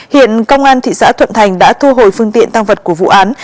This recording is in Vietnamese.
hiện công an thị xã thuận thành đã thu hồi phương tiện tăng vật của vụ án